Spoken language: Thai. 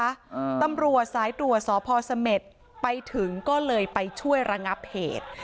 อ่าตำรวจสายตรวจสพเสม็ดไปถึงก็เลยไปช่วยระงับเหตุ